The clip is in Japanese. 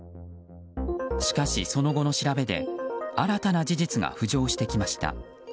しかし、その後の調べで新たな事実が浮上してきました。